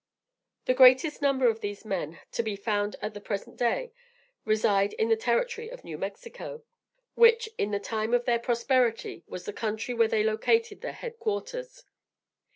The greatest number of these men, to be found at the present day, reside in the Territory of New Mexico; which, in the time of their prosperity, was the country where they located their head quarters.